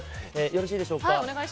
よろしいでしょうか？